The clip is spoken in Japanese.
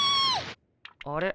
あれ？